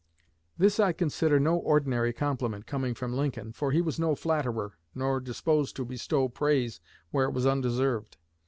This I consider no ordinary compliment, coming from Lincoln, for he was no flatterer nor disposed to bestow praise where it was undeserved.